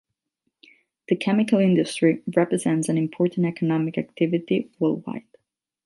The chemical industry represents an important economic activity worldwide.